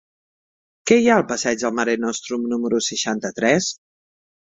Què hi ha al passeig del Mare Nostrum número seixanta-tres?